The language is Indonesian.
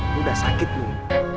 lu udah sakit nih